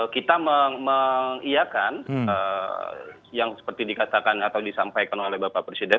kita mengiakan yang seperti yang disampaikan oleh pak presiden